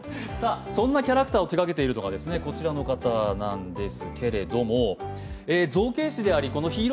そんなキャラクターを手がけているのがこちらの方です。